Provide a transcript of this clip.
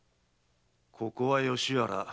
ここは吉原。